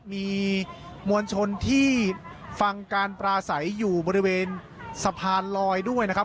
มีมวลชนที่ฟังการปราศัยอยู่บริเวณสะพานลอยด้วยนะครับ